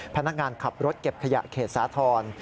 พนักงานขับรถเก็บขยะเขตสาธรณ์